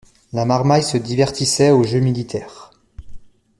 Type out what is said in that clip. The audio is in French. La marmaille se divertissait aux jeux militaires.